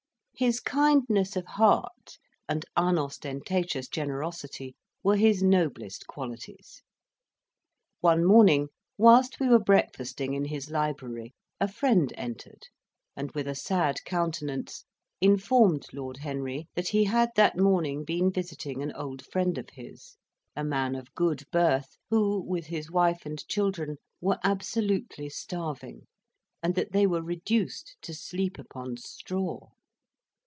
His kindness of heart and unostentatious generosity were his noblest qualities. One morning, whilst we were breakfasting in his library, a friend entered, and, with a sad countenance, informed Lord Henry that he had that morning been visiting an old friend of his, a man of good birth, who, with his wife and children, were absolutely starving, and that they were reduced to sleep upon straw.